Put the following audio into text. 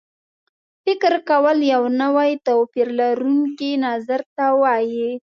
فکر کول یو نوي او توپیر لرونکي نظر ته وایي.